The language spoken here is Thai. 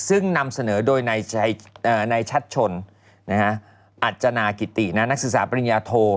ซึ่งนำเสนอโดยนายชัดชนอัจจนากิตินักศึกษาปริญญาโท